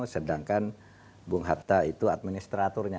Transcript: sedangkan bung hatta itu administraturnya